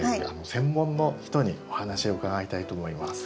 専門の人にお話を伺いたいと思います。